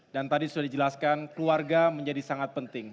dan tadi sudah dijelaskan keluarga menjadi sangat penting